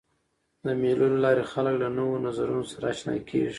د مېلو له لاري خلک له نوو نظرونو سره آشنا کيږي.